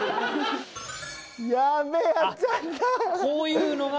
やべやっちゃった。